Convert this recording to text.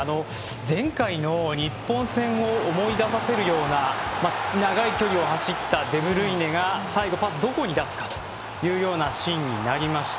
前回の日本戦を思い出させるような長い距離を走ったデブルイネが最後パスをどこに出すかというシーンになりました。